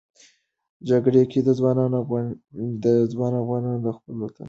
جګړې کې ځوان افغانان د خپل وطن لپاره زړورتیا وښودله.